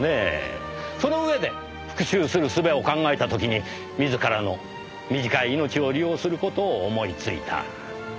その上で復讐する術を考えた時に自らの短い命を利用する事を思いついた。